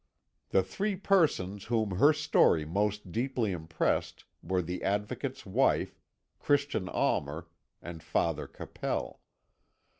The three persons whom her story most deeply impressed were the Advocate's wife, Christian Almer, and Father Capel.